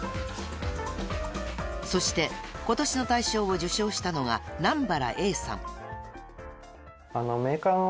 ［そして今年の大賞を受賞したのが南原詠さん］